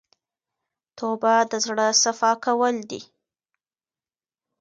توبه د زړه صفا کول دي.